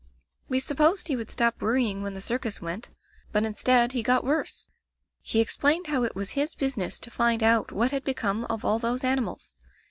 "We supposed he would stop worrying when the circus went, but instead, he got worse. He explained how it was his business to find out what had become of all those animals.